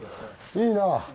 いいな。